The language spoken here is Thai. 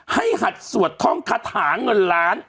หัดสวดท่องคาถาเงินล้าน